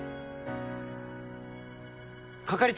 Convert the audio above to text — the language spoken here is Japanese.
係長